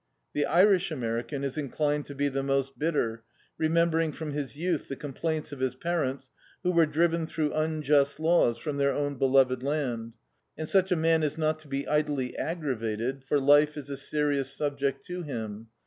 The Irish American is inclined to be the most bitter, remembering from his youth the complaints of his parents, who were driven through xmjust laws from their own beloved land; and such a man is not to be idly aggravated, for life is a serious subject to him.